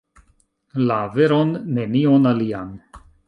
La veron, nenion alian.